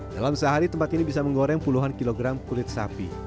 dalam sehari tempat ini bisa menggoreng puluhan kilogram kulit sapi